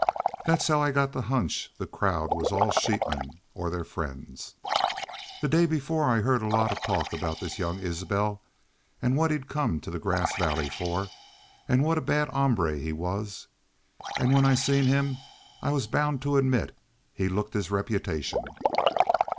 Thet was how I got the hunch the crowd was all sheepmen or their friends. The day before I'd heerd a lot of talk about this young Isbel, an' what he'd come to Grass Valley fer, an' what a bad hombre he was. An' when I seen him I was bound to admit he looked his reputation.